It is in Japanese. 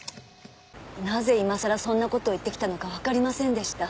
なぜ今さらそんな事を言ってきたのかわかりませんでした。